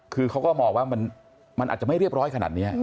คือเขาก็มองว่ามันอาจจะไม่เรียบร้อยขนาดนี้